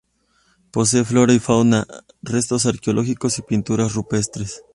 Posee flora y fauna, restos arqueológicos y pinturas rupestres.